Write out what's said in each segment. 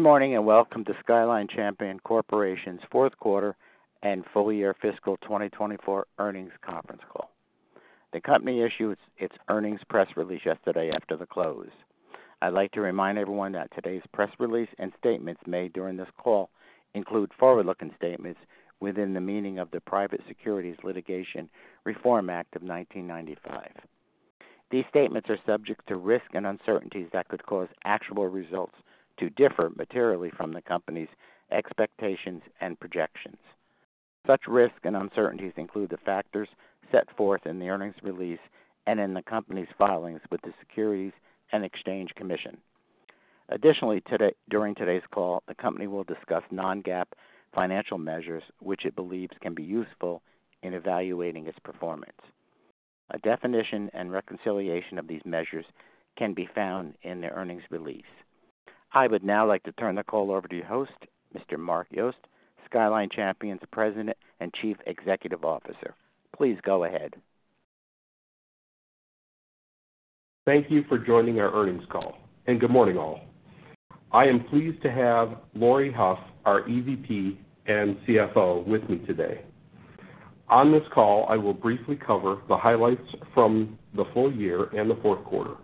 Good morning, and welcome to Skyline Champion Corporation's fourth quarter and full year fiscal 2024 earnings conference call. The company issued its earnings press release yesterday after the close. I'd like to remind everyone that today's press release and statements made during this call include forward-looking statements within the meaning of the Private Securities Litigation Reform Act of 1995. These statements are subject to risks and uncertainties that could cause actual results to differ materially from the company's expectations and projections. Such risks and uncertainties include the factors set forth in the earnings release and in the company's filings with the Securities and Exchange Commission. Additionally, today, during today's call, the company will discuss non-GAAP financial measures, which it believes can be useful in evaluating its performance. A definition and reconciliation of these measures can be found in the earnings release. I would now like to turn the call over to your host, Mr. Mark Yost, Skyline Champion's President and Chief Executive Officer. Please go ahead. Thank you for joining our earnings call, and good morning, all. I am pleased to have Laurie Hough, our EVP and CFO, with me today. On this call, I will briefly cover the highlights from the full year and the fourth quarter.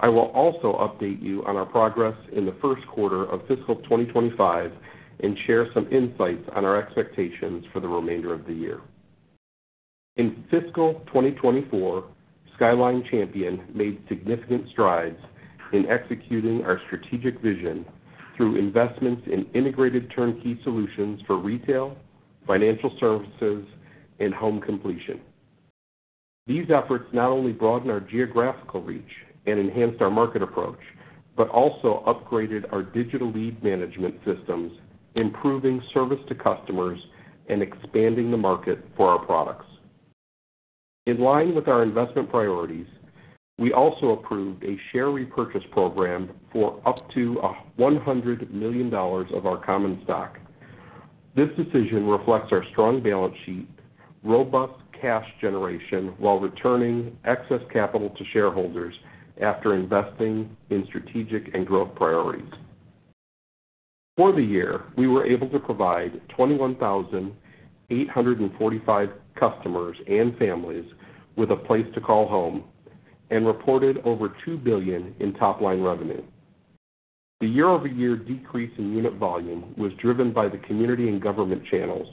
I will also update you on our progress in the first quarter of fiscal 2025 and share some insights on our expectations for the remainder of the year. In fiscal 2024, Skyline Champion made significant strides in executing our strategic vision through investments in integrated turnkey solutions for retail, financial services, and home completion. These efforts not only broadened our geographical reach and enhanced our market approach, but also upgraded our digital lead management systems, improving service to customers and expanding the market for our products. In line with our investment priorities, we also approved a share repurchase program for up to $100 million of our common stock. This decision reflects our strong balance sheet, robust cash generation, while returning excess capital to shareholders after investing in strategic and growth priorities. For the year, we were able to provide 21,845 customers and families with a place to call home, and reported over $2 billion in top-line revenue. The year-over-year decrease in unit volume was driven by the community and government channels,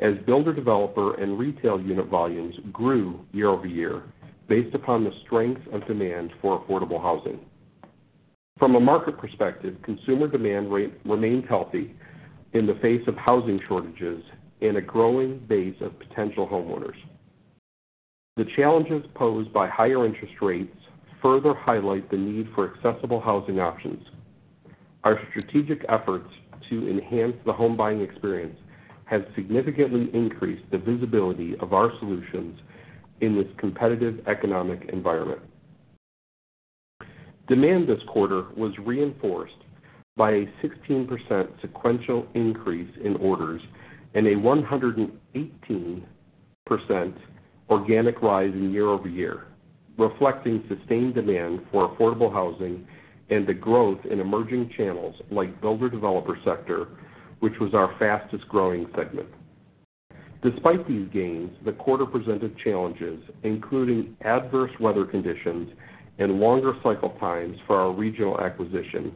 as builder, developer, and retail unit volumes grew year-over-year, based upon the strength of demand for affordable housing. From a market perspective, consumer demand remains healthy in the face of housing shortages and a growing base of potential homeowners. The challenges posed by higher interest rates further highlight the need for accessible housing options. Our strategic efforts to enhance the home buying experience has significantly increased the visibility of our solutions in this competitive economic environment. Demand this quarter was reinforced by a 16% sequential increase in orders and a 118% organic rise in year-over-year, reflecting sustained demand for affordable housing and the growth in emerging channels like builder-developer sector, which was our fastest-growing segment. Despite these gains, the quarter presented challenges, including adverse weather conditions and longer cycle times for our Regional acquisition,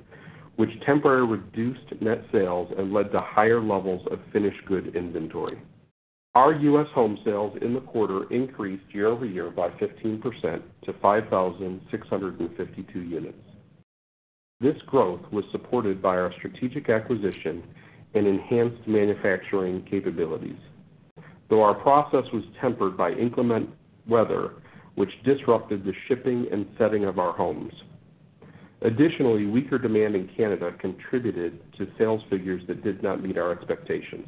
which temporarily reduced net sales and led to higher levels of finished good inventory. Our U.S. home sales in the quarter increased year-over-year by 15% to 5,652 units. This growth was supported by our strategic acquisition and enhanced manufacturing capabilities, though our process was tempered by inclement weather, which disrupted the shipping and setting of our homes. Additionally, weaker demand in Canada contributed to sales figures that did not meet our expectations.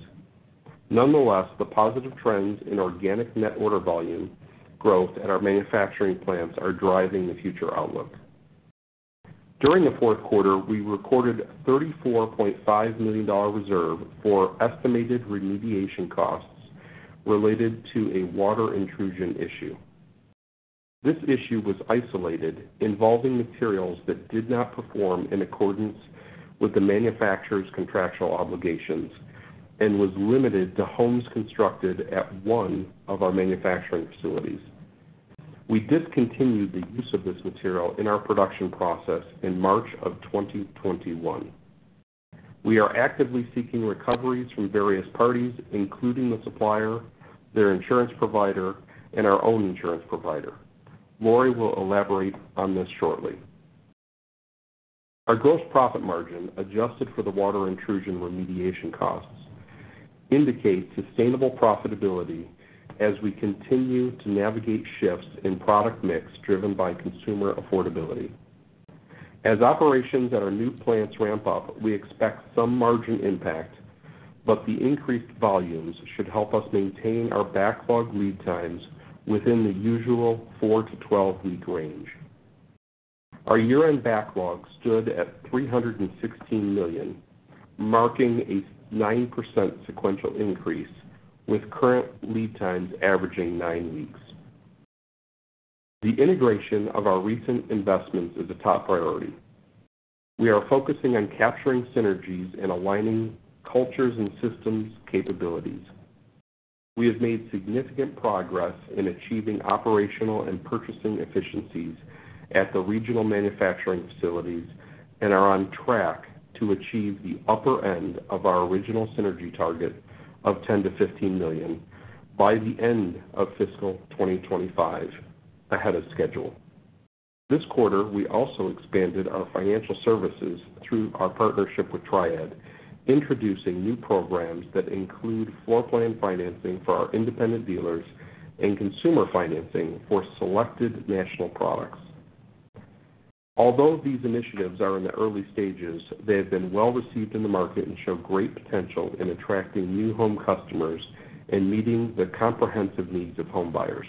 Nonetheless, the positive trends in organic net order volume growth at our manufacturing plants are driving the future outlook. During the fourth quarter, we recorded $34.5 million reserve for estimated remediation costs related to a water intrusion issue. This issue was isolated, involving materials that did not perform in accordance with the manufacturer's contractual obligations and was limited to homes constructed at one of our manufacturing facilities. We discontinued the use of this material in our production process in March of 2021. We are actively seeking recoveries from various parties, including the supplier, their insurance provider, and our own insurance provider. Laurie will elaborate on this shortly. Our gross profit margin, adjusted for the water intrusion remediation costs, indicate sustainable profitability as we continue to navigate shifts in product mix driven by consumer affordability. As operations at our new plants ramp up, we expect some margin impact, but the increased volumes should help us maintain our backlog lead times within the usual 4-12-week range. Our year-end backlog stood at $316 million, marking a 9% sequential increase, with current lead times averaging 9 weeks.... The integration of our recent investments is a top priority. We are focusing on capturing synergies and aligning cultures and systems capabilities. We have made significant progress in achieving operational and purchasing efficiencies at the regional manufacturing facilities, and are on track to achieve the upper end of our original synergy target of $10 million-$15 million by the end of fiscal 2025, ahead of schedule. This quarter, we also expanded our financial services through our partnership with Triad, introducing new programs that include floor plan financing for our independent dealers and consumer financing for selected national products. Although these initiatives are in the early stages, they have been well-received in the market and show great potential in attracting new home customers and meeting the comprehensive needs of home buyers.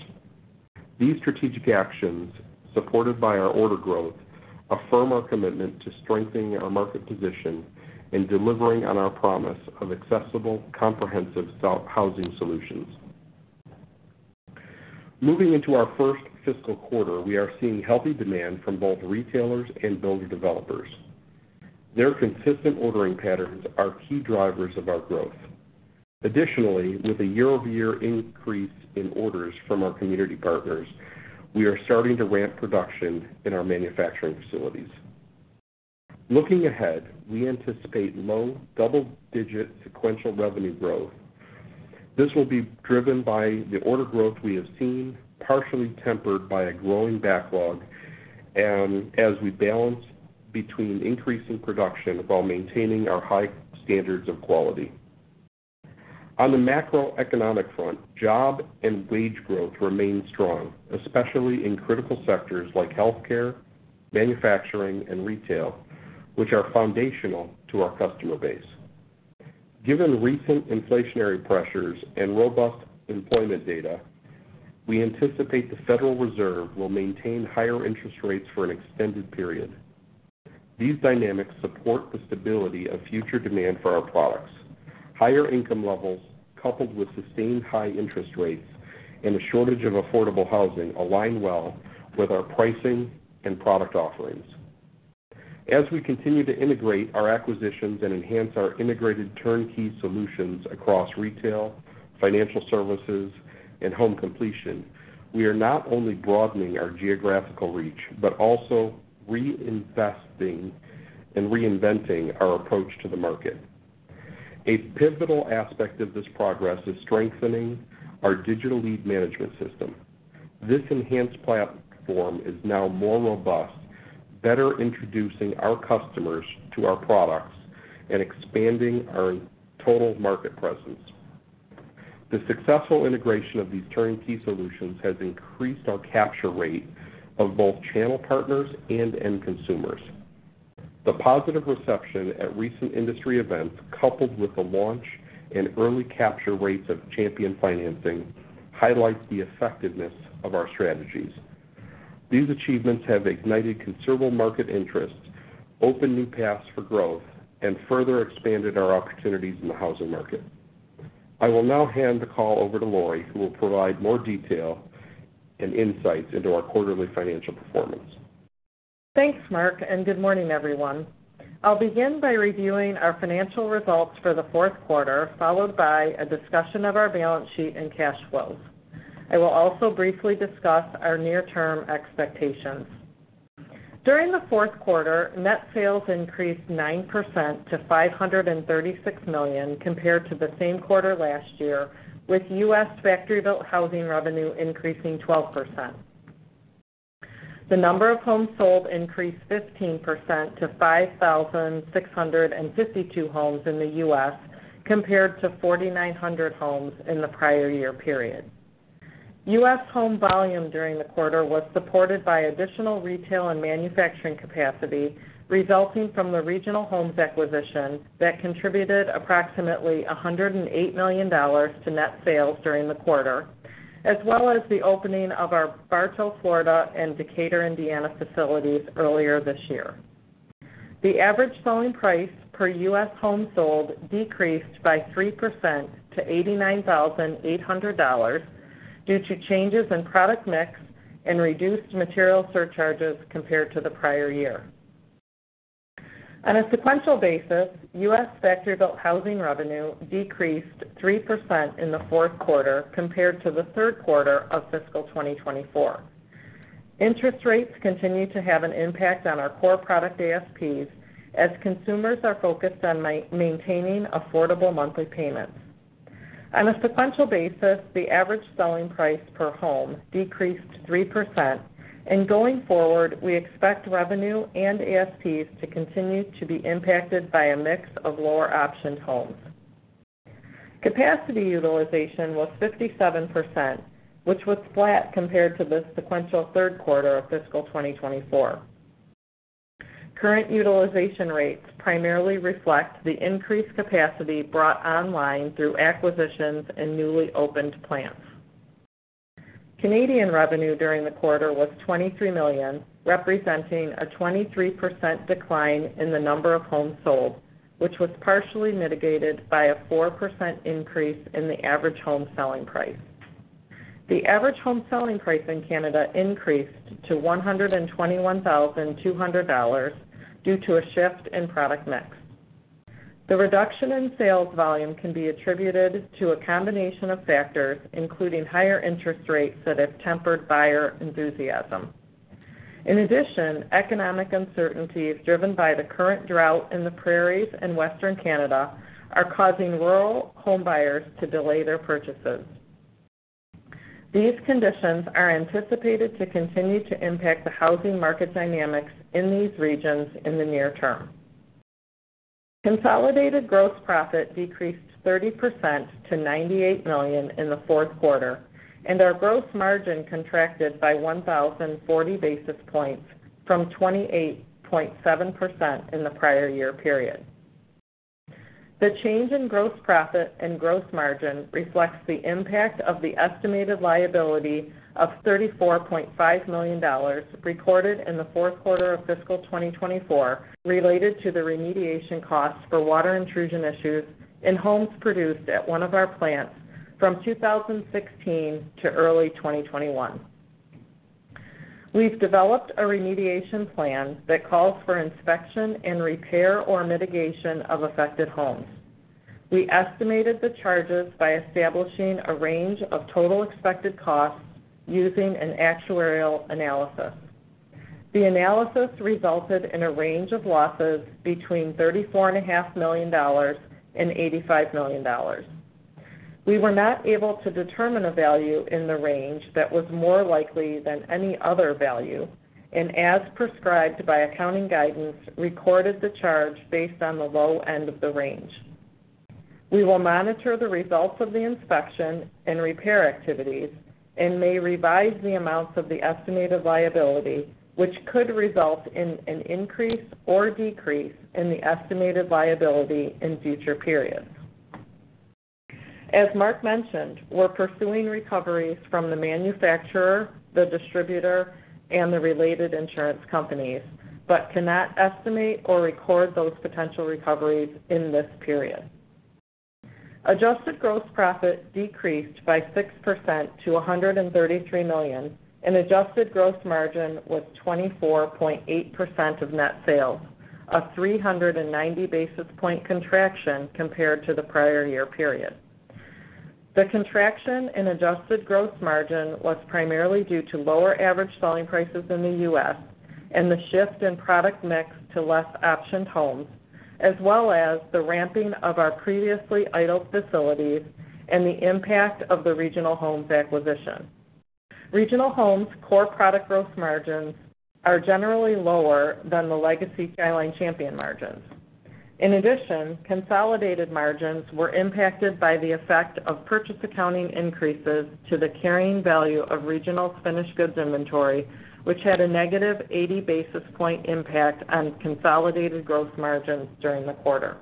These strategic actions, supported by our order growth, affirm our commitment to strengthening our market position and delivering on our promise of accessible, comprehensive stock-housing solutions. Moving into our first fiscal quarter, we are seeing healthy demand from both retailers and builder-developers. Their consistent ordering patterns are key drivers of our growth. Additionally, with a year-over-year increase in orders from our community partners, we are starting to ramp production in our manufacturing facilities. Looking ahead, we anticipate low double-digit sequential revenue growth. This will be driven by the order growth we have seen, partially tempered by a growing backlog, and as we balance between increasing production while maintaining our high standards of quality. On the macroeconomic front, job and wage growth remain strong, especially in critical sectors like healthcare, manufacturing, and retail, which are foundational to our customer base. Given recent inflationary pressures and robust employment data, we anticipate the Federal Reserve will maintain higher interest rates for an extended period. These dynamics support the stability of future demand for our products. Higher income levels, coupled with sustained high interest rates and a shortage of affordable housing, align well with our pricing and product offerings. As we continue to integrate our acquisitions and enhance our integrated turnkey solutions across retail, financial services, and home completion, we are not only broadening our geographical reach, but also reinvesting and reinventing our approach to the market. A pivotal aspect of this progress is strengthening our digital lead management system. This enhanced platform is now more robust, better introducing our customers to our products, and expanding our total market presence. The successful integration of these turnkey solutions has increased our capture rate of both channel partners and end consumers. The positive reception at recent industry events, coupled with the launch and early capture rates of Champion Financing, highlights the effectiveness of our strategies. These achievements have ignited considerable market interest, opened new paths for growth, and further expanded our opportunities in the housing market. I will now hand the call over to Laurie, who will provide more detail and insights into our quarterly financial performance. Thanks, Mark, and good morning, everyone. I'll begin by reviewing our financial results for the fourth quarter, followed by a discussion of our balance sheet and cash flows. I will also briefly discuss our near-term expectations. During the fourth quarter, net sales increased 9% to $536 million compared to the same quarter last year, with US factory-built housing revenue increasing 12%. The number of homes sold increased 15% to 5,652 homes in the US, compared to 4,900 homes in the prior year period. US home volume during the quarter was supported by additional retail and manufacturing capacity, resulting from the Regional Homes acquisition that contributed approximately $108 million to net sales during the quarter, as well as the opening of our Bartow, Florida, and Decatur, Indiana, facilities earlier this year. The average selling price per U.S. home sold decreased by 3% to $89,800 due to changes in product mix and reduced material surcharges compared to the prior year. On a sequential basis, U.S. factory-built housing revenue decreased 3% in the fourth quarter compared to the third quarter of fiscal 2024. Interest rates continue to have an impact on our core product ASPs, as consumers are focused on maintaining affordable monthly payments. On a sequential basis, the average selling price per home decreased 3%, and going forward, we expect revenue and ASPs to continue to be impacted by a mix of lower-optioned homes. Capacity utilization was 57%, which was flat compared to the sequential third quarter of fiscal 2024. Current utilization rates primarily reflect the increased capacity brought online through acquisitions and newly opened plants. Canadian revenue during the quarter was $23 million, representing a 23% decline in the number of homes sold, which was partially mitigated by a 4% increase in the average home selling price. The average home selling price in Canada increased to $121,200 due to a shift in product mix. The reduction in sales volume can be attributed to a combination of factors, including higher interest rates that have tempered buyer enthusiasm. In addition, economic uncertainties driven by the current drought in the Prairies and Western Canada are causing rural homebuyers to delay their purchases. These conditions are anticipated to continue to impact the housing market dynamics in these regions in the near term. Consolidated gross profit decreased 30% to $98 million in the fourth quarter, and our gross margin contracted by 1,040 basis points from 28.7% in the prior year period. The change in gross profit and gross margin reflects the impact of the estimated liability of $34.5 million recorded in the fourth quarter of fiscal 2024, related to the remediation costs for water intrusion issues in homes produced at one of our plants from 2016 to early 2021. We've developed a remediation plan that calls for inspection and repair or mitigation of affected homes. We estimated the charges by establishing a range of total expected costs using an actuarial analysis. The analysis resulted in a range of losses between $34.5 million and $85 million. We were not able to determine a value in the range that was more likely than any other value, and, as prescribed by accounting guidance, recorded the charge based on the low end of the range. We will monitor the results of the inspection and repair activities and may revise the amounts of the estimated liability, which could result in an increase or decrease in the estimated liability in future periods. As Mark mentioned, we're pursuing recoveries from the manufacturer, the distributor, and the related insurance companies, but cannot estimate or record those potential recoveries in this period. Adjusted gross profit decreased by 6% to $133 million, and adjusted gross margin was 24.8% of net sales, a 390 basis point contraction compared to the prior year period. The contraction in adjusted gross margin was primarily due to lower average selling prices in the U.S. and the shift in product mix to less optioned homes, as well as the ramping of our previously idle facilities and the impact of the Regional Homes acquisition. Regional Homes' core product gross margins are generally lower than the legacy Skyline Champion margins. In addition, consolidated margins were impacted by the effect of purchase accounting increases to the carrying value of Regional's finished goods inventory, which had a negative 80 basis points impact on consolidated gross margins during the quarter.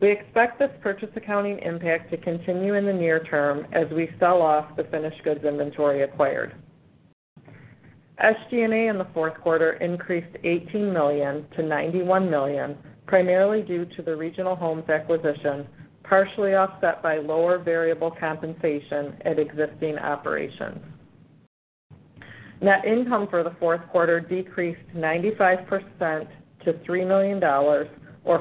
We expect this purchase accounting impact to continue in the near term as we sell off the finished goods inventory acquired. SG&A in the fourth quarter increased $18 million to $91 million, primarily due to the Regional Homes acquisition, partially offset by lower variable compensation at existing operations. Net income for the fourth quarter decreased 95% to $3 million or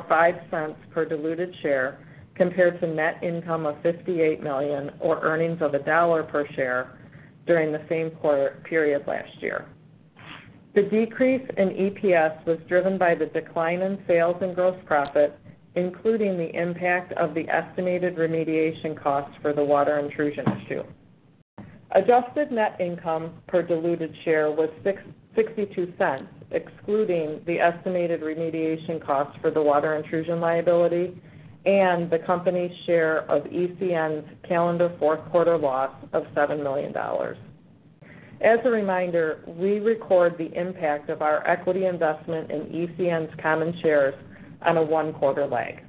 $0.05 per diluted share, compared to net income of $58 million or earnings of $1 per share during the same quarter-period last year. The decrease in EPS was driven by the decline in sales and gross profit, including the impact of the estimated remediation costs for the water intrusion issue. Adjusted net income per diluted share was sixty-two cents, excluding the estimated remediation costs for the water intrusion liability and the company's share of ECN's calendar fourth quarter loss of $7 million. As a reminder, we record the impact of our equity investment in ECN's common shares on a one-quarter lag.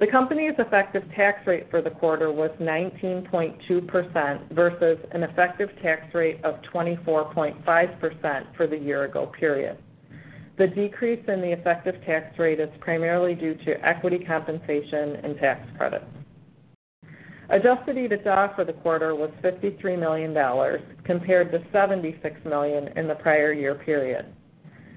The company's effective tax rate for the quarter was 19.2% versus an effective tax rate of 24.5% for the year ago period. The decrease in the effective tax rate is primarily due to equity compensation and tax credits. Adjusted EBITDA for the quarter was $53 million, compared to $76 million in the prior year period.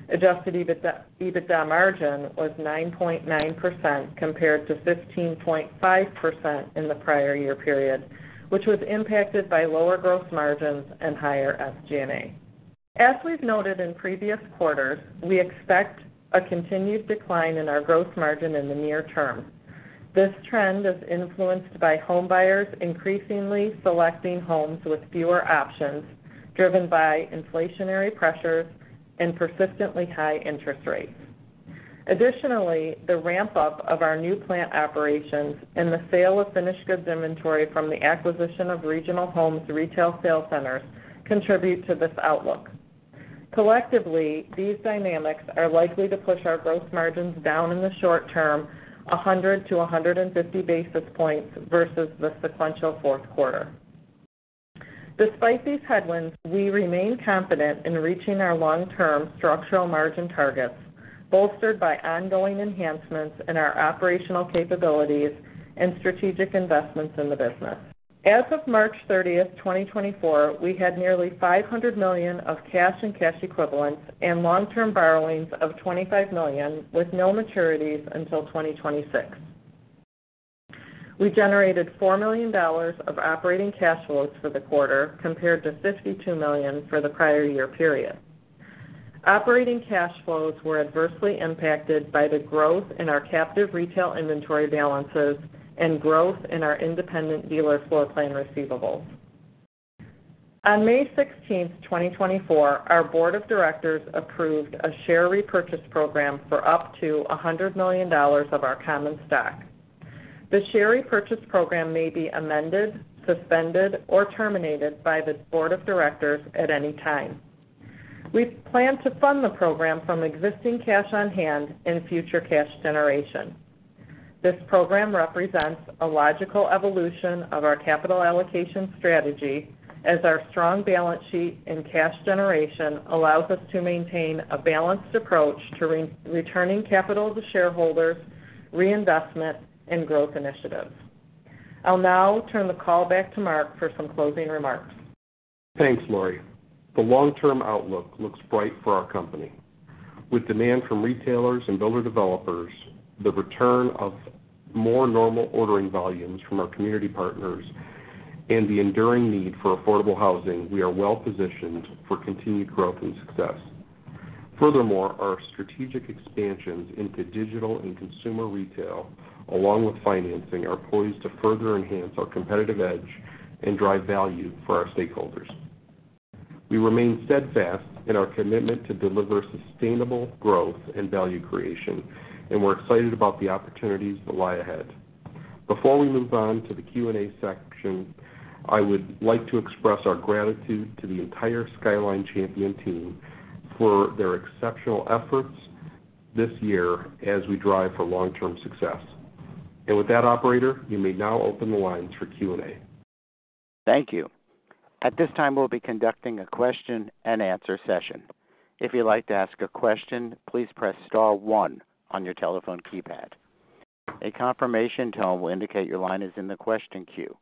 Adjusted EBITDA, EBITDA margin was 9.9% compared to 15.5% in the prior year period, which was impacted by lower gross margins and higher SG&A. As we've noted in previous quarters, we expect a continued decline in our gross margin in the near term. This trend is influenced by homebuyers increasingly selecting homes with fewer options, driven by inflationary pressures and persistently high interest rates. Additionally, the ramp-up of our new plant operations and the sale of finished goods inventory from the acquisition of Regional Homes retail sales centers contribute to this outlook. Collectively, these dynamics are likely to push our gross margins down in the short term, 100-150 basis points versus the sequential fourth quarter. Despite these headwinds, we remain confident in reaching our long-term structural margin targets, bolstered by ongoing enhancements in our operational capabilities and strategic investments in the business. As of March 30, 2024, we had nearly $500 million of cash and cash equivalents and long-term borrowings of $25 million, with no maturities until 2026. We generated $4 million of operating cash flows for the quarter, compared to $52 million for the prior year period. Operating cash flows were adversely impacted by the growth in our captive retail inventory balances and growth in our independent dealer floorplan receivables. On May 16, 2024, our board of directors approved a share repurchase program for up to $100 million of our common stock. The share repurchase program may be amended, suspended, or terminated by the board of directors at any time. We plan to fund the program from existing cash on hand and future cash generation. This program represents a logical evolution of our capital allocation strategy, as our strong balance sheet and cash generation allows us to maintain a balanced approach to re-returning capital to shareholders, reinvestment, and growth initiatives. I'll now turn the call back to Mark for some closing remarks. Thanks, Laurie. The long-term outlook looks bright for our company. With demand from retailers and builder-developers, the return of more normal ordering volumes from our community partners, and the enduring need for affordable housing, we are well-positioned for continued growth and success. Furthermore, our strategic expansions into digital and consumer retail, along with financing, are poised to further enhance our competitive edge and drive value for our stakeholders. We remain steadfast in our commitment to deliver sustainable growth and value creation, and we're excited about the opportunities that lie ahead. Before we move on to the Q&A section, I would like to express our gratitude to the entire Skyline Champion team for their exceptional efforts this year as we drive for long-term success. With that, operator, you may now open the lines for Q&A. Thank you. At this time, we'll be conducting a question-and-answer session. If you'd like to ask a question, please press star one on your telephone keypad. A confirmation tone will indicate your line is in the question queue.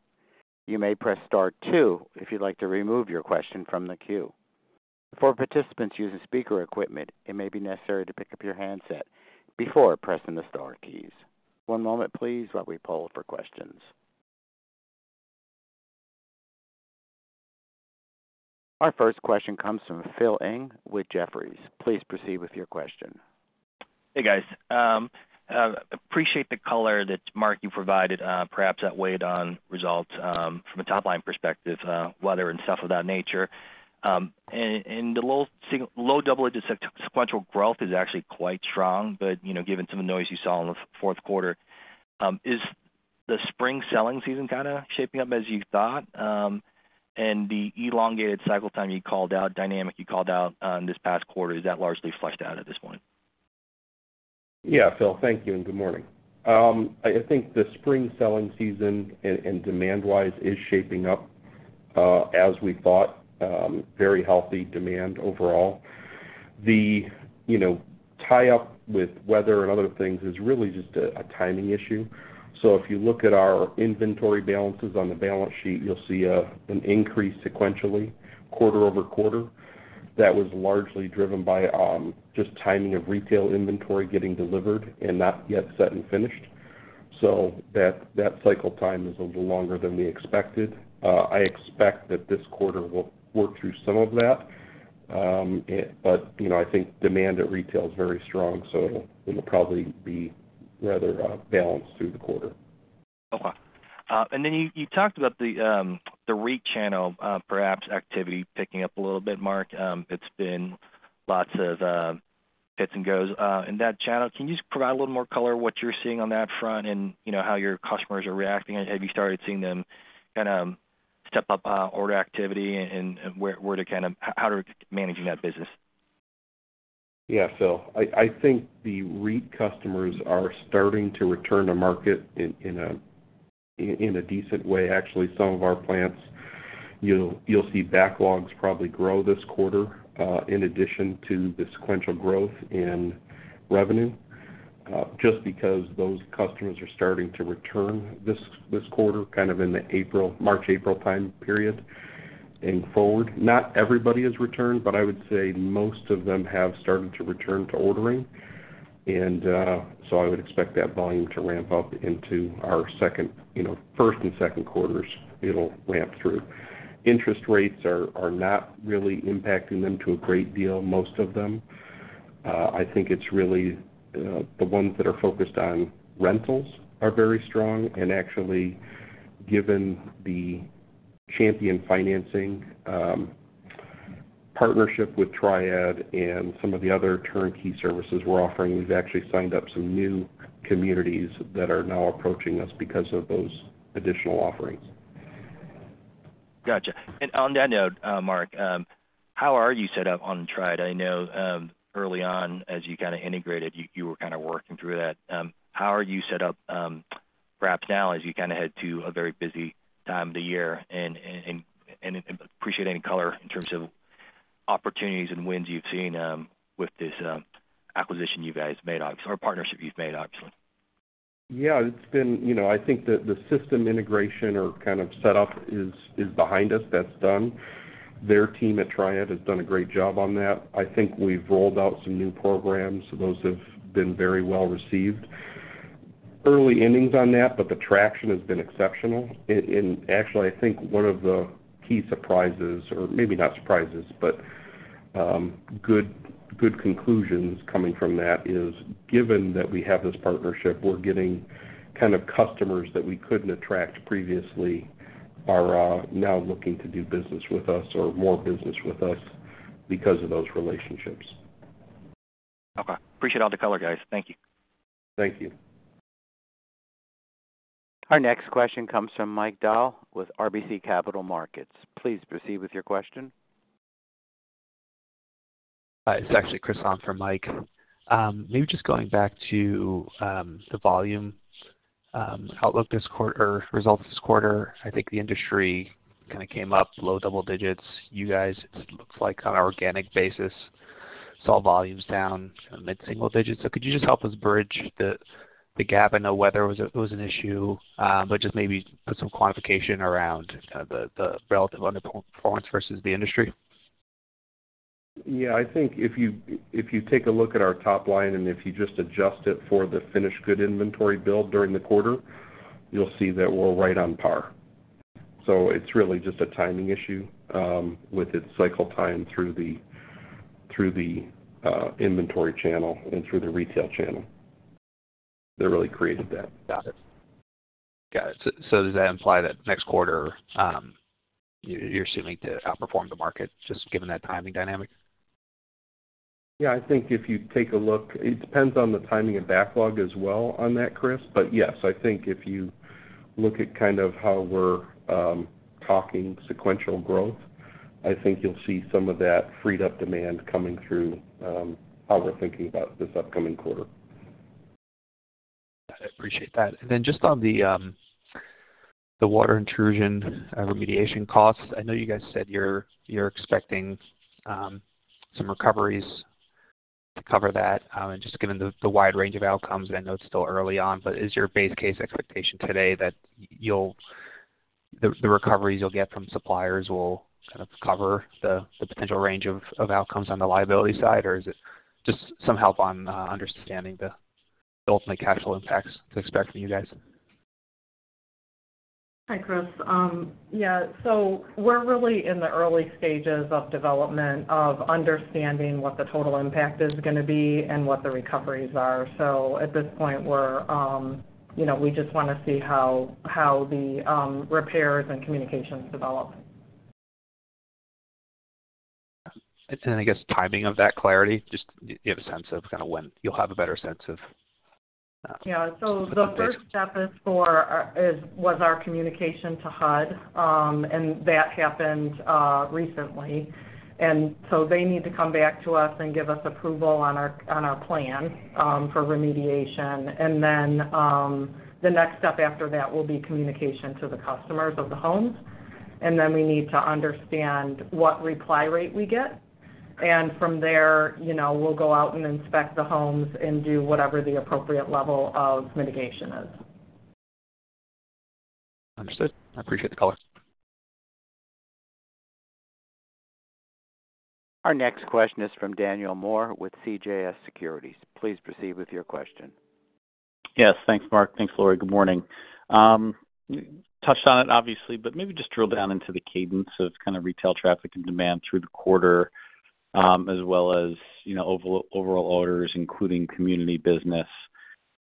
You may press star two if you'd like to remove your question from the queue. For participants using speaker equipment, it may be necessary to pick up your handset before pressing the star keys. One moment please, while we poll for questions. Our first question comes from Phil Ng with Jefferies. Please proceed with your question. Hey, guys. Appreciate the color that, Mark, you provided, perhaps that weighed on results from a top-line perspective, weather and stuff of that nature. And the low double-digit sequential growth is actually quite strong. But, you know, given some of the noise you saw in the fourth quarter, is the spring selling season kind of shaping up as you thought? And the elongated cycle time you called out, dynamic you called out on this past quarter, is that largely flushed out at this point? Yeah, Phil, thank you, and good morning. I think the spring selling season and demand-wise is shaping up as we thought, very healthy demand overall. You know, tie up with weather and other things is really just a timing issue. So if you look at our inventory balances on the balance sheet, you'll see an increase sequentially, quarter over quarter. That was largely driven by just timing of retail inventory getting delivered and not yet set and finished. So that cycle time is a little longer than we expected. I expect that this quarter will work through some of that. But you know, I think demand at retail is very strong, so it'll probably be rather balanced through the quarter. Okay. And then you talked about the REIT channel, perhaps activity picking up a little bit, Mark. It's been lots of hits and goes in that channel. Can you just provide a little more color on what you're seeing on that front and, you know, how your customers are reacting? And have you started seeing them kind of step up order activity and where they're kind of how they're managing that business? Yeah, Phil, I think the REIT customers are starting to return to market in a decent way. Actually, some of our plants, you'll see backlogs probably grow this quarter, in addition to the sequential growth in revenue, just because those customers are starting to return this quarter, kind of in the April, March, April time period and forward. Not everybody has returned, but I would say most of them have started to return to ordering. And, so I would expect that volume to ramp up into our second, you know, first and second quarters, it'll ramp through. Interest rates are not really impacting them to a great deal, most of them. I think it's really, the ones that are focused on rentals are very strong. Actually, given the Champion Financing partnership with Triad and some of the other turnkey services we're offering, we've actually signed up some new communities that are now approaching us because of those additional offerings. Gotcha. And on that note, Mark, how are you set up on Triad? I know, early on, as you kind of integrated, you were kind of working through that. How are you set up, perhaps now as you kind of head to a very busy time of the year, and appreciate any color in terms of opportunities and wins you've seen, with this acquisition you guys made, or partnership you've made, obviously. Yeah, it's been, you know, I think the system integration or kind of setup is behind us. That's done. Their team at Triad has done a great job on that. I think we've rolled out some new programs. Those have been very well received. Early innings on that, but the traction has been exceptional. And actually, I think one of the key surprises, or maybe not surprises, but good, good conclusions coming from that is, given that we have this partnership, we're getting kind of customers that we couldn't attract previously are now looking to do business with us or more business with us because of those relationships. Okay. Appreciate all the color, guys. Thank you. Thank you. Our next question comes from Mike Dahl with RBC Capital Markets. Please proceed with your question. Hi, it's actually Chris on for Mike. Maybe just going back to the volume outlook this quarter or results this quarter. I think the industry kind of came up low double digits. You guys, it looks like on an organic basis, saw volumes down mid-single digits. So could you just help us bridge the gap? I know whether it was an issue, but just maybe put some quantification around the relative underperformance versus the industry. Yeah, I think if you, if you take a look at our top line, and if you just adjust it for the finished good inventory build during the quarter, you'll see that we're right on par. So it's really just a timing issue, with its cycle time through the inventory channel and through the retail channel that really created that. Got it. Got it. So, does that imply that next quarter, you're assuming to outperform the market, just given that timing dynamic? Yeah, I think if you take a look, it depends on the timing of backlog as well on that, Chris. But yes, I think if you look at kind of how we're talking sequential growth, I think you'll see some of that freed up demand coming through, how we're thinking about this upcoming quarter. I appreciate that. And then just on the water intrusion remediation costs, I know you guys said you're expecting some recoveries to cover that. Just given the wide range of outcomes, I know it's still early on, but is your base case expectation today that you'll—the recoveries you'll get from suppliers will kind of cover the potential range of outcomes on the liability side? Or is it just some help on understanding the ultimate cash flow impacts to expect from you guys? Hi, Chris. Yeah, so we're really in the early stages of development of understanding what the total impact is gonna be and what the recoveries are. So at this point, we're, you know, we just wanna see how the repairs and communications develop. And then, I guess, timing of that clarity, just you have a sense of kind of when you'll have a better sense of... Yeah. So the first step was our communication to HUD, and that happened recently. So they need to come back to us and give us approval on our plan for remediation. Then the next step after that will be communication to the customers of the homes, and then we need to understand what reply rate we get. And from there, you know, we'll go out and inspect the homes and do whatever the appropriate level of mitigation is. Understood. I appreciate the color. Our next question is from Daniel Moore with CJS Securities. Please proceed with your question. Yes. Thanks, Mark. Thanks, Laurie. Good morning. Touched on it, obviously, but maybe just drill down into the cadence of kind of retail traffic and demand through the quarter, as well as, you know, overall orders, including community business,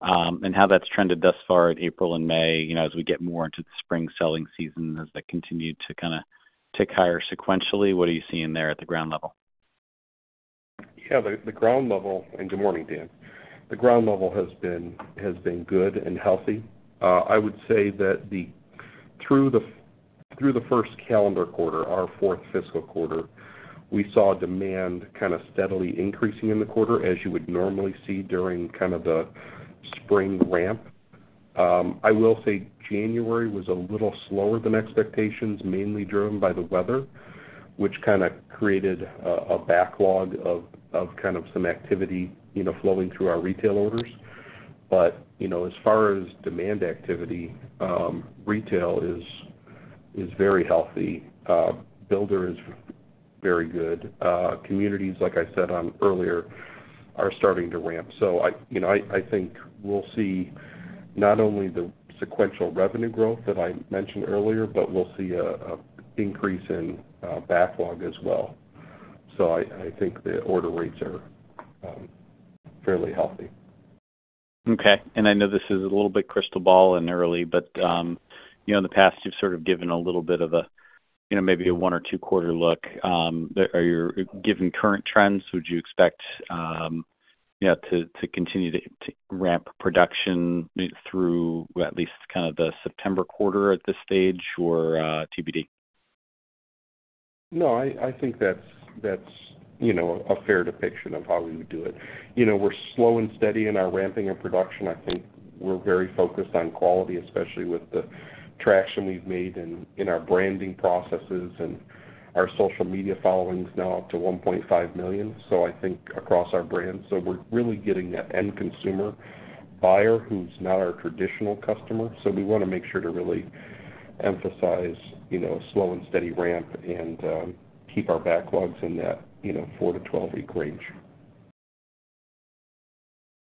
and how that's trended thus far in April and May, you know, as we get more into the spring selling season, as that continued to kind of tick higher sequentially, what are you seeing there at the ground level? Yeah, the ground level... And good morning, Dan. The ground level has been good and healthy. I would say that through the first calendar quarter, our fourth fiscal quarter, we saw demand kind of steadily increasing in the quarter, as you would normally see during kind of the spring ramp. I will say January was a little slower than expectations, mainly driven by the weather, which kind of created a backlog of kind of some activity, you know, flowing through our retail orders. But, you know, as far as demand activity, retail is very healthy. Builder is very good. Communities, like I said earlier, are starting to ramp. So I, you know, I, I think we'll see not only the sequential revenue growth that I mentioned earlier, but we'll see a increase in backlog as well. So I, I think the order rates are fairly healthy. Okay. I know this is a little bit crystal ball and early, but you know, in the past, you've sort of given a little bit of a, you know, maybe a one or two quarter look. Are you given current trends, would you expect yeah to continue to ramp production through at least kind of the September quarter at this stage, or TBD? No, I think that's a fair depiction of how we would do it. You know, we're slow and steady in our ramping and production. I think we're very focused on quality, especially with the traction we've made in our branding processes and our social media followings, now up to 1.5 million. So I think across our brands. So we're really getting that end consumer buyer who's not our traditional customer. So we wanna make sure to really emphasize, you know, slow and steady ramp and keep our backlogs in that four to 12-week range.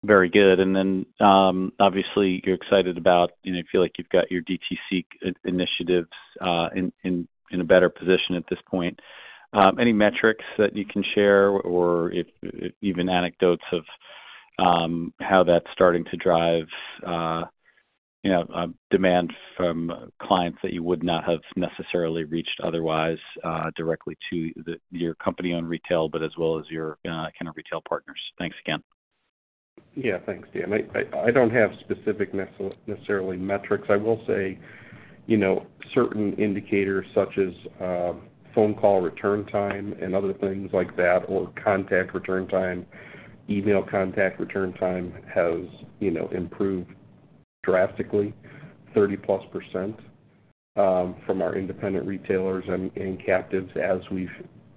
Very good. Then, obviously, you're excited about, you know, you feel like you've got your DTC initiatives in a better position at this point. Any metrics that you can share, or even anecdotes of how that's starting to drive, you know, demand from clients that you would not have necessarily reached otherwise, directly to your company on retail, but as well as your kind of retail partners? Thanks again. Yeah. Thanks, Dan. I don't have specific necessarily metrics. I will say, you know, certain indicators, such as, phone call return time and other things like that, or contact return time, email contact return time, has, you know, improved drastically, 30+% from our independent retailers and captives as we've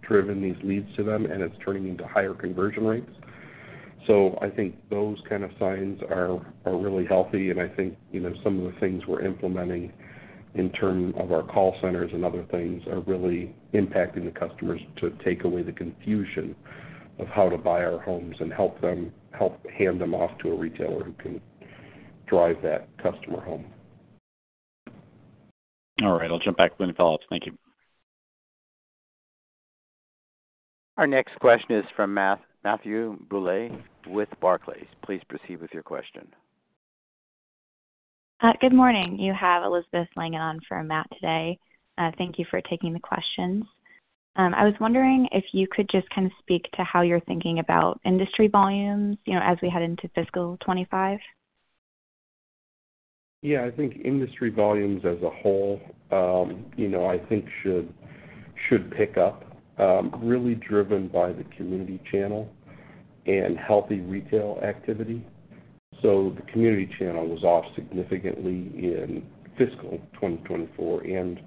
driven these leads to them, and it's turning into higher conversion rates. So I think those kind of signs are really healthy, and I think, you know, some of the things we're implementing in terms of our call centers and other things, are really impacting the customers to take away the confusion of how to buy our homes and help hand them off to a retailer who can drive that customer home. All right. I'll jump back with any follow-ups. Thank you. Our next question is from Matt- Matthew Boulay with Barclays. Please proceed with your question. Good morning. You have Elizabeth Langan on for Matt today. Thank you for taking the questions. I was wondering if you could just kind of speak to how you're thinking about industry volumes, you know, as we head into fiscal 25. Yeah. I think industry volumes as a whole, you know, I think should pick up, really driven by the community channel and healthy retail activity. So the community channel was off significantly in fiscal 2024 and,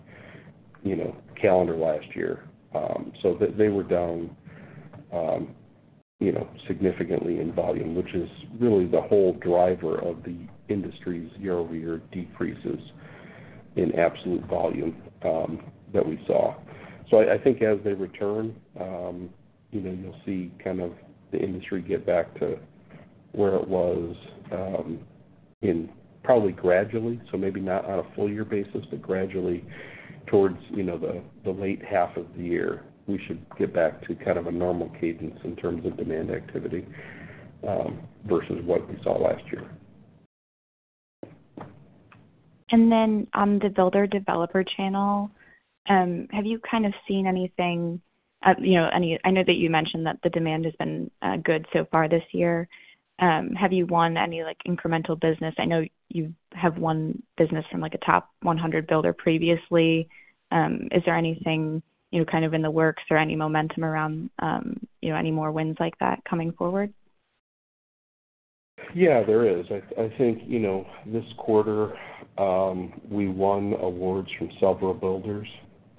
you know, calendar last year. So they were down, you know, significantly in volume, which is really the whole driver of the industry's year-over-year decreases in absolute volume, that we saw. So I think as they return, you know, you'll see kind of the industry get back to where it was, in probably gradually, so maybe not on a full year basis, but gradually towards, you know, the late half of the year, we should get back to kind of a normal cadence in terms of demand activity, versus what we saw last year. And then on the builder-developer channel, have you kind of seen anything, you know, I know that you mentioned that the demand has been good so far this year. Have you won any, like, incremental business? I know you have won business from, like, a top 100 builder previously. Is there anything, you know, kind of in the works or any momentum around, you know, any more wins like that coming forward? Yeah, there is. I think, you know, this quarter, we won awards from several builders,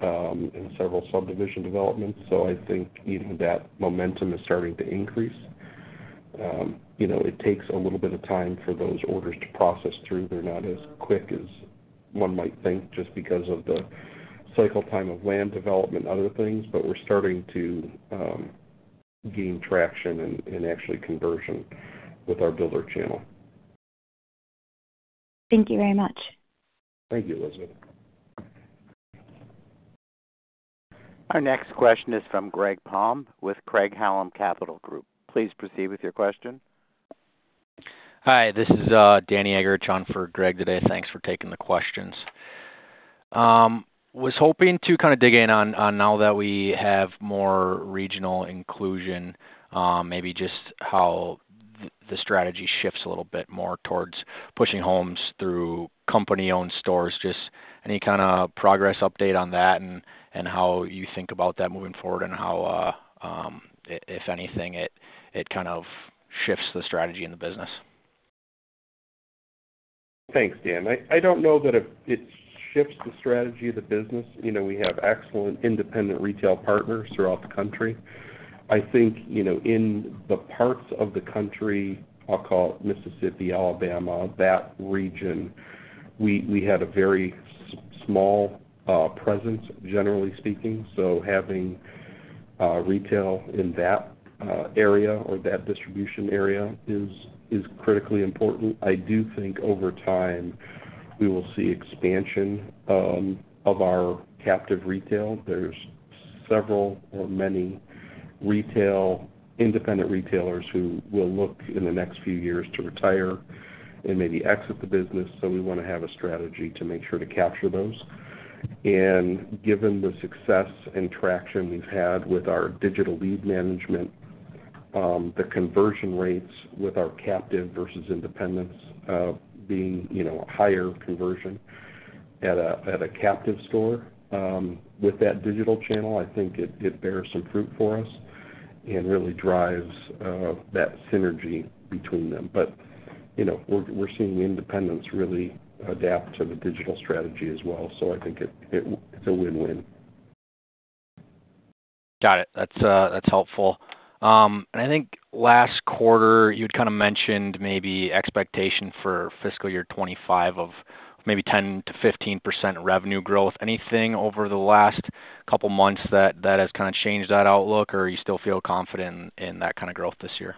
and several subdivision developments. So I think even that momentum is starting to increase. You know, it takes a little bit of time for those orders to process through. They're not as quick as one might think just because of the cycle time of land development and other things, but we're starting to gain traction and actually conversion with our builder channel. Thank you very much. Thank you, Elizabeth. Our next question is from Greg Palm with Craig-Hallum Capital Group. Please proceed with your question. Hi, this is Danny Eggerichs in for Greg today. Thanks for taking the questions. Was hoping to kind of dig in on now that we have more regional inclusion, maybe just how the strategy shifts a little bit more towards pushing homes through company-owned stores. Just any kind of progress update on that and how you think about that moving forward, and how, if anything, it kind of shifts the strategy in the business? Thanks, Dan. I don't know that it shifts the strategy of the business. You know, we have excellent independent retail partners throughout the country. I think, you know, in the parts of the country, I'll call it Mississippi, Alabama, that region, we had a very small presence, generally speaking. So having retail in that area or that distribution area is critically important. I do think over time, we will see expansion of our captive retail. There's several or many retail, independent retailers who will look in the next few years to retire and maybe exit the business, so we wanna have a strategy to make sure to capture those. And given the success and traction we've had with our digital lead management... The conversion rates with our captive versus independents, being, you know, higher conversion at a captive store, with that digital channel, I think it bears some fruit for us and really drives that synergy between them. But, you know, we're seeing the independents really adapt to the digital strategy as well. So I think it's a win-win. Got it. That's, that's helpful. And I think last quarter, you'd kind of mentioned maybe expectation for fiscal year 2025 of maybe 10%-15% revenue growth. Anything over the last couple months that has kind of changed that outlook, or you still feel confident in that kind of growth this year?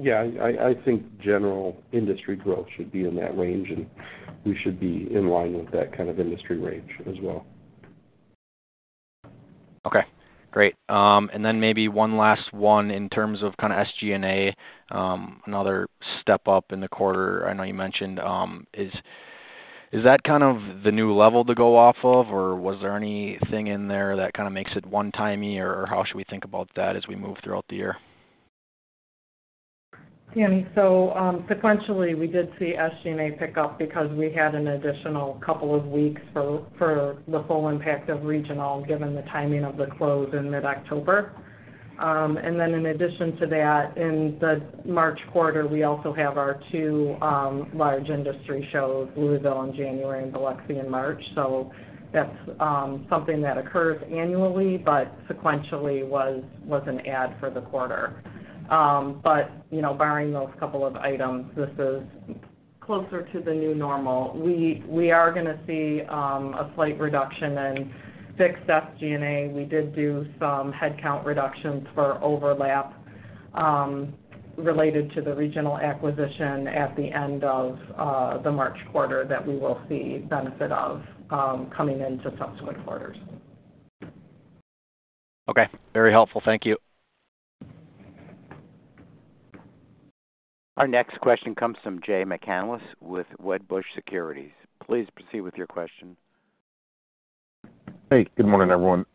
Yeah, I think general industry growth should be in that range, and we should be in line with that kind of industry range as well. Okay, great. And then maybe one last one in terms of kind of SG&A, another step up in the quarter, I know you mentioned, is that kind of the new level to go off of, or was there anything in there that kind of makes it one-timey, or how should we think about that as we move throughout the year? Danny, so sequentially, we did see SG&A pick up because we had an additional couple of weeks for the full impact of Regional, given the timing of the close in mid-October. And then in addition to that, in the March quarter, we also have our two large industry shows, Louisville in January and Biloxi in March. So that's something that occurs annually, but sequentially was an add for the quarter. But you know, barring those couple of items, this is closer to the new normal. We are going to see a slight reduction in fixed SG&A. We did do some headcount reductions for overlap related to the Regional acquisition at the end of the March quarter that we will see benefit of coming into subsequent quarters. Okay. Very helpful. Thank you. Our next question comes from Jay McCanless with Wedbush Securities. Please proceed with your question. Hey, good morning, everyone.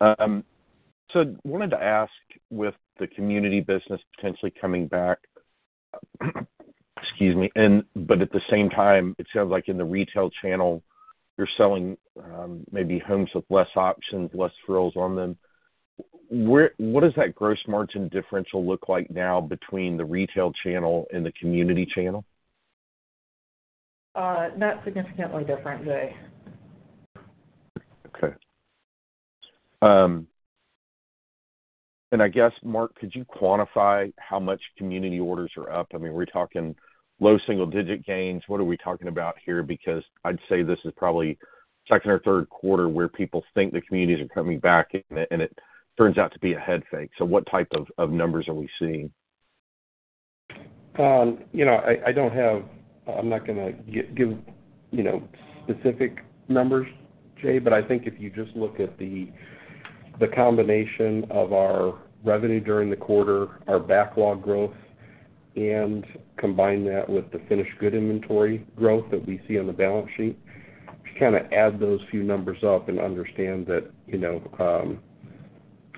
So wanted to ask, with the community business potentially coming back, excuse me, and but at the same time, it sounds like in the retail channel, you're selling maybe homes with less options, less frills on them. Where—what does that gross margin differential look like now between the retail channel and the community channel? Not significantly different, Jay. Okay. And I guess, Mark, could you quantify how much community orders are up? I mean, we're talking low single-digit gains. What are we talking about here? Because I'd say this is probably second or third quarter where people think the communities are coming back, and it turns out to be a head fake. So what type of numbers are we seeing? You know, I don't have—I'm not going to give, you know, specific numbers, Jay, but I think if you just look at the combination of our revenue during the quarter, our backlog growth, and combine that with the finished good inventory growth that we see on the balance sheet, just kind of add those few numbers up and understand that, you know,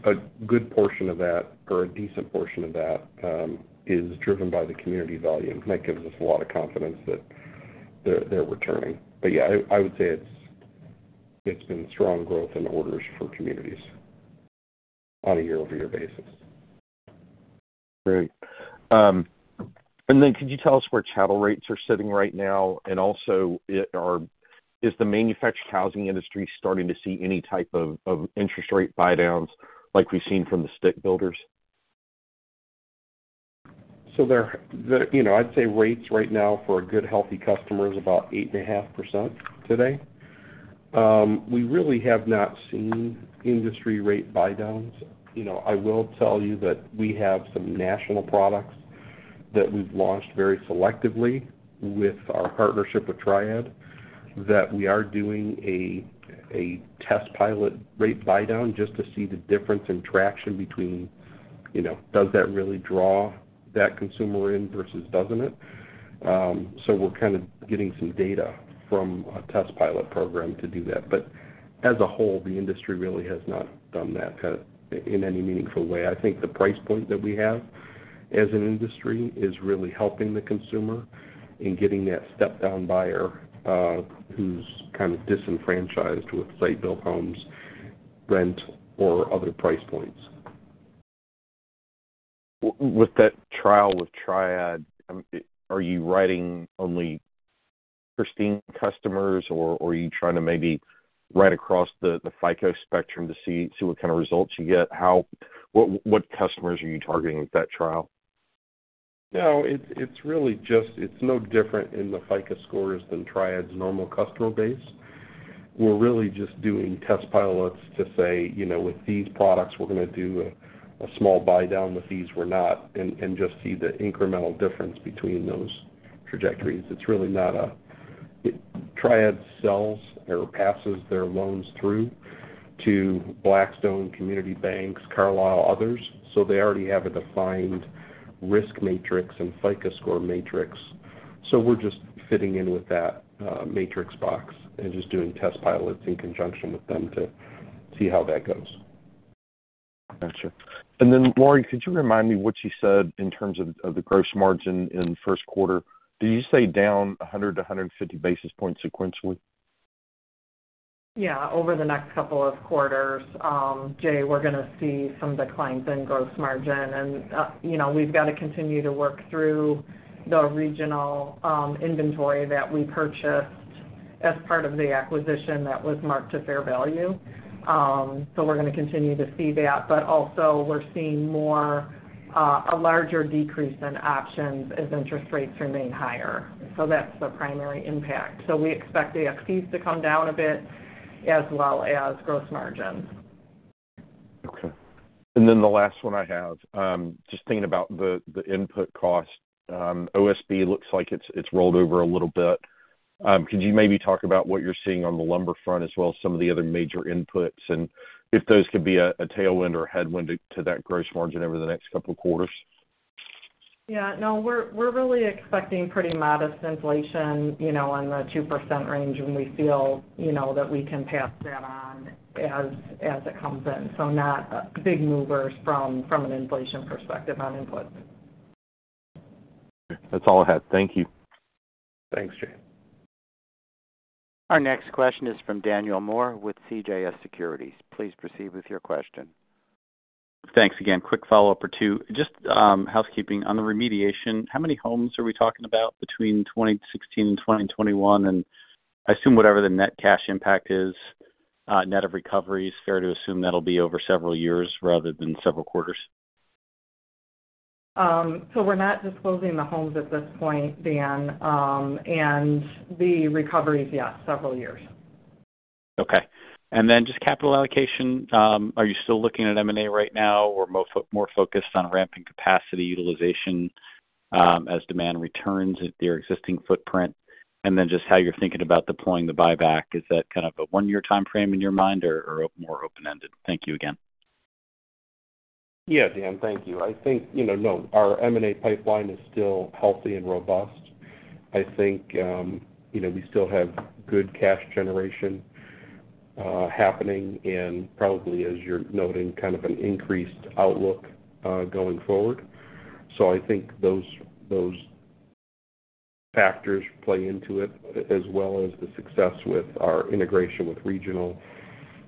a good portion of that or a decent portion of that is driven by the community volume. That gives us a lot of confidence that they're returning. But yeah, I would say it's been strong growth in orders for communities on a year-over-year basis. Great. And then could you tell us where chattel rates are sitting right now? And also, is the manufactured housing industry starting to see any type of interest rate buydowns like we've seen from the stick builders? So they're, you know, I'd say rates right now for a good, healthy customer is about 8.5% today. We really have not seen industry rate buydowns. You know, I will tell you that we have some national products that we've launched very selectively with our partnership with Triad, that we are doing a test pilot rate buydown just to see the difference in traction between, you know, does that really draw that consumer in versus doesn't it? So we're kind of getting some data from a test pilot program to do that. But as a whole, the industry really has not done that kind of in any meaningful way. I think the price point that we have as an industry is really helping the consumer in getting that step-down buyer, who's kind of disenfranchised with site-built homes, rent, or other price points. With that trial with Triad, are you writing only pristine customers, or are you trying to maybe write across the FICO spectrum to see what kind of results you get? What customers are you targeting with that trial? No, it's really just... It's no different in the FICO scores than Triad's normal customer base. We're really just doing test pilots to say, you know, with these products, we're going to do a small buydown, with these we're not, and just see the incremental difference between those trajectories. It's really not a— Triad sells or passes their loans through to Blackstone, community banks, Carlyle, others, so they already have a defined risk matrix and FICO score matrix.... So we're just fitting in with that matrix box and just doing test pilots in conjunction with them to see how that goes. Gotcha. And then, Laurie, could you remind me what you said in terms of the gross margin in first quarter? Did you say down 100-150 basis points sequentially? Yeah, over the next couple of quarters, Jay, we're gonna see some declines in gross margin. And, you know, we've got to continue to work through the regional, inventory that we purchased as part of the acquisition that was marked to fair value. So we're gonna continue to see that, but also we're seeing more, a larger decrease in options as interest rates remain higher. So that's the primary impact. So we expect the fees to come down a bit as well as gross margins. Okay. And then the last one I have, just thinking about the input cost, OSB looks like it's rolled over a little bit. Could you maybe talk about what you're seeing on the lumber front, as well as some of the other major inputs, and if those could be a tailwind or a headwind to that gross margin over the next couple of quarters? Yeah, no, we're really expecting pretty modest inflation, you know, in the 2% range, and we feel, you know, that we can pass that on as it comes in, so not big movers from an inflation perspective on inputs. That's all I had. Thank you. Thanks, Jay. Our next question is from Daniel Moore with CJS Securities. Please proceed with your question. Thanks again. Quick follow-up or two. Just, housekeeping. On the remediation, how many homes are we talking about between 2016 and 2021? And I assume whatever the net cash impact is, net of recovery, it's fair to assume that'll be over several years rather than several quarters. So we're not disclosing the homes at this point, Dan. And the recovery is, yeah, several years. Okay. And then just capital allocation, are you still looking at M&A right now, or more focused on ramping capacity utilization, as demand returns at your existing footprint? And then just how you're thinking about deploying the buyback. Is that kind of a one-year timeframe in your mind or more open-ended? Thank you again. Yeah, Dan, thank you. I think, you know, no, our M&A pipeline is still healthy and robust. I think, you know, we still have good cash generation happening, and probably, as you're noting, kind of an increased outlook going forward. So I think those factors play into it, as well as the success with our integration with Regional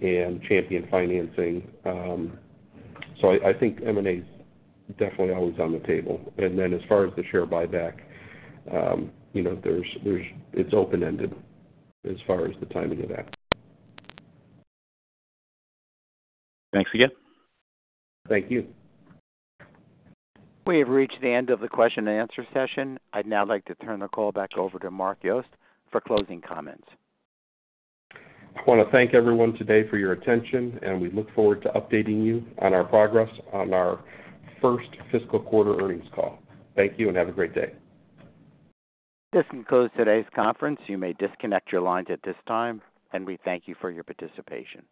and Champion Financing. So I think M&A's definitely always on the table. And then as far as the share buyback, you know, there's, it's open-ended as far as the timing of that. Thanks again. Thank you. We have reached the end of the question and answer session. I'd now like to turn the call back over to Mark Yost for closing comments. I wanna thank everyone today for your attention, and we look forward to updating you on our progress on our first fiscal quarter earnings call. Thank you, and have a great day. This concludes today's conference. You may disconnect your lines at this time, and we thank you for your participation.